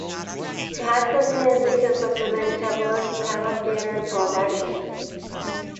She has continued to perform in several Chicago theatre productions.